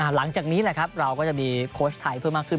หลังจากนี้แหละครับเราก็จะมีโค้ชไทยเพิ่มมากขึ้น